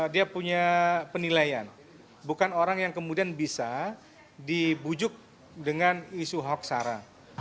dia punya penilaian bukan orang yang kemudian bisa dibujuk dengan isu hoksara